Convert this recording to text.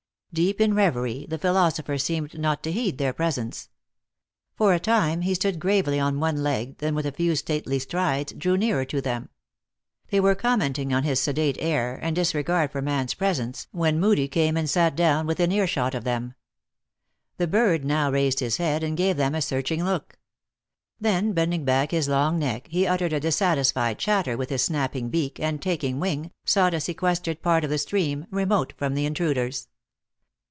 Deep in reverie, the philosopher seemed not to heed their presence. For a time, he stood gravely on one leg, then with a few stately strides, drew nearer to them. They were commenting on his sedate air, and disregard for man s presence, when Moodie came and sat down within ear shot of them. The bird now raised his head and gave them a searching look. Then bending back his long neck, he uttered a dissatisfied chatter with his snapping beak, and taking wing, sought a sequestered part of the stream, remote from the intruders.